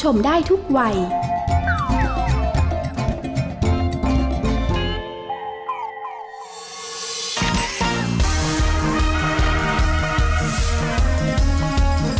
โหลดหรือยัง